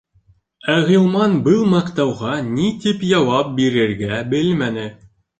Ә Ғилман был маҡтауға ни тип яуап бирергә белмәне.